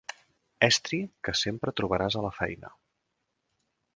Estri que sempre trobaràs a la feina.